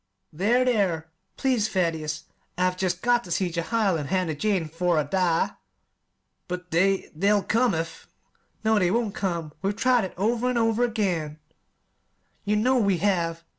"There, there, please, Thaddeus! I've jest got ter see Jehiel and Hannah Jane 'fore I die!" "But they they'll come if " "No, they won't come. We've tried it over an' over again; you know we have.